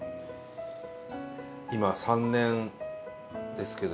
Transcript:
今３年ですけど。